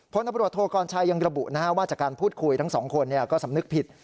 ตำรวจโทกรชัยยังระบุว่าจากการพูดคุยทั้งสองคนก็สำนึกผิด